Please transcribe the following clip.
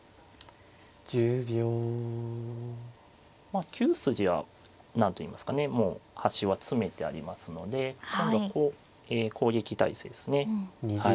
まあ９筋は何といいますかねもう端は詰めてありますので今度は攻撃態勢ですね。